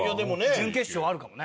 準決勝あるかもね。